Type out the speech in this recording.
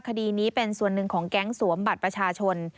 คดีนี้เป็นส่วนหนึ่งของแก๊งสวมบัตรประชาชน